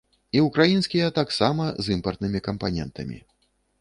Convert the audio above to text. І ўкраінскія таксама, з імпартнымі кампанентамі.